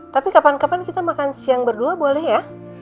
tapi kapan kapan kita makan siang berdua boleh ya